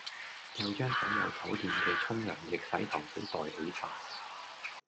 又將所有酒店既沖涼液洗頭水袋起哂